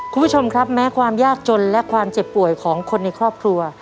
คุณผู้ชมครับแม้ความยากจนและความเจ็บป่วยของคนในครอบครัว